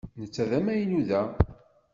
Netta d amaynu da.